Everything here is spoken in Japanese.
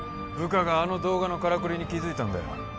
部下があの動画のカラクリに気づいたんだよ